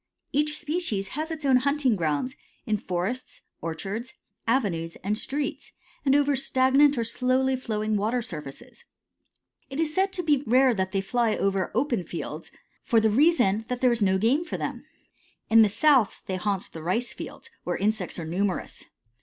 Each species has its own hunting grounds in forests, orchards, avenues, and streets, and over stagnant or slowly flowing water surfaces. It is said to be rare that they fly over open fields, for the reason that there is no game for them. In the South they haunt the rice fields, where insects are numerous.